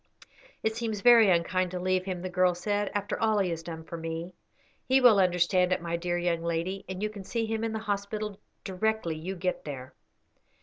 "It seems very unkind to leave him," the girl said, "after all he has done for me." "He will understand it, my dear young lady, and you can see him in the hospital directly you get there."